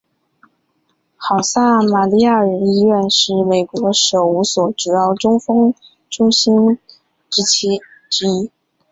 好撒玛利亚人医院是美国首五所主要中风中心之一。